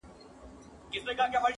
o خوله دي خپله، غول په وله.